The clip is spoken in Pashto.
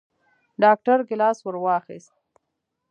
ډاکتر ګېلاس ورواخيست.